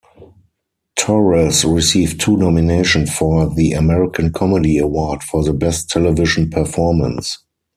Torres received two nominations for the American Comedy Award for the Best Television Performance.